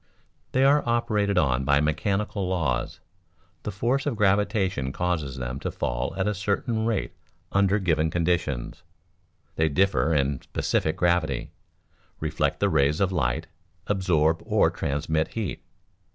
They are operated on by mechanical laws; the force of gravitation causes them to fall at a certain rate under given conditions. They differ in specific gravity, reflect the rays of light, absorb or transmit heat.